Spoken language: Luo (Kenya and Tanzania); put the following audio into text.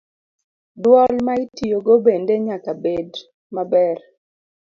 Dwol ma itiyogo bende nyaka bed maber.